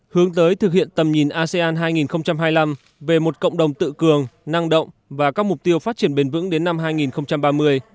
hướng tới thực hiện tầm nhìn asean hai nghìn hai mươi năm về một cộng đồng tự cường năng động và các mục tiêu phát triển bền vững đến năm hai nghìn ba mươi